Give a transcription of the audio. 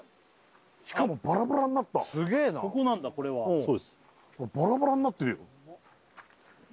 しかもバラバラになったここなんだこれはそうですバラバラになってるよ